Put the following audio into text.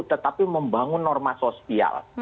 tetapi membangun norma sosial